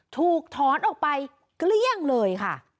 ถูกถอนออกไปเกลี้ยงเลยค่ะ